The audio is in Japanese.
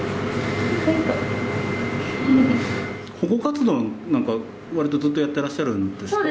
保護活動なんか、わりとずっとやってらっしゃるんですか？